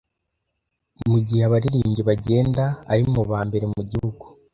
Mugihe abaririmbyi bagenda, ari mubambere mu gihugu.